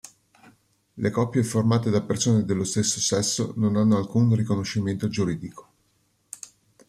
Le coppie formate da persone dello stesso sesso non hanno alcun riconoscimento giuridico.